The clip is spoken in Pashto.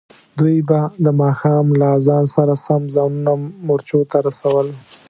دوی به د ماښام له اذان سره سم ځانونه مورچو ته رسول.